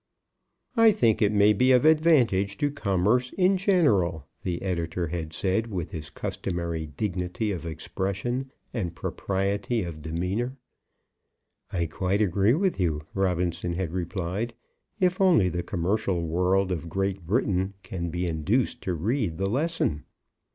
"I think it may be of advantage to commerce in general," the Editor had said with his customary dignity of expression and propriety of demeanour. "I quite agree with you," Robinson had replied, "if only the commercial world of Great Britain can be induced to read the lesson."